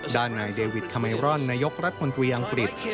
ด้านนายเดวิดคาเมรอนนายกรัฐมนตรีอังกฤษ